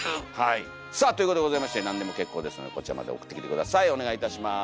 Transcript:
さあということでございまして何でも結構ですのでこちらまで送ってきて下さいお願いいたします。